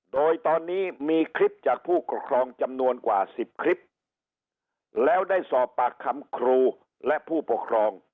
โดยตอนนี้มีคลิปจากผู้ปกครองจำนวนกว่าสิบคลิปแล้วได้สอบปากคำครูและผู้ปกครอง